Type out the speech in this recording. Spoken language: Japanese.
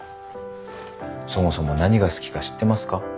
そもそも何が好きか知ってますか？